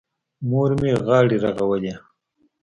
مور مې غاړې رغولې.